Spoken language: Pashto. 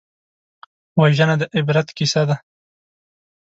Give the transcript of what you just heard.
وژنه د عبرت کیسه ده